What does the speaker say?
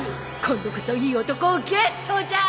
今度こそいい男をゲットじゃあ！